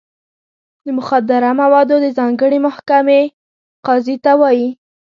د مخدره موادو د ځانګړې محکمې قاضي ته وایي.